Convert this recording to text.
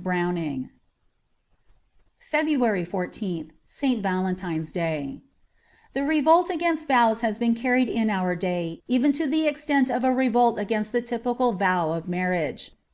^Browning.'' 4^ J FEBRUARY 14th 57. VALENTINE'S DAY THE rerolt against tows has been carried in our day emsx to the eztait of a rerolt against the tjpical TOW of marriage.